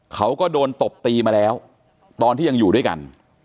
เขาก็โดนตบตีมาแล้วตอนที่ยังอยู่ด้วยกัน